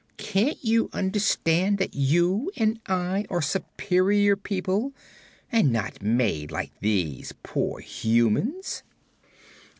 Can't you understand that you and I are superior people and not made like these poor humans?"